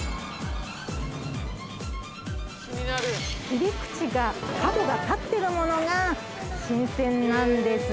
切り口が角が立ってるものが新鮮なんです。